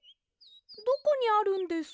どこにあるんですか？